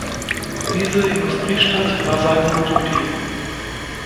Diese Industriestadt war seine "Utopie.